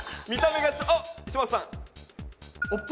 あっ嶋佐さん。